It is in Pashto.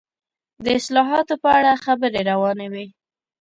د اصلاحاتو په اړه خبرې روانې وې.